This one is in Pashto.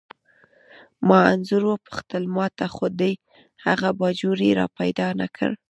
ما انځور وپوښتل: ما ته خو دې هغه باجوړی را پیدا نه کړ؟